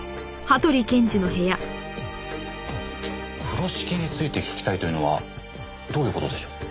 風呂敷について聞きたいというのはどういう事でしょう？